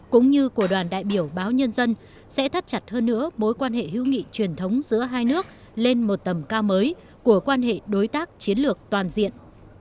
cũng như của đoàn đại biểu báo nhân dân sẽ thắt chặt hơn nữa mối quan hệ hữu nghị truyền thống giữa hai nước lên một tầm cao mới của quan hệ đối tác chiến lược toàn diện